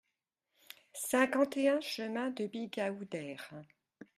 cinquante et un chemin de Bigaoudère